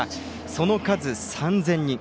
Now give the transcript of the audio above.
その数、３０００人。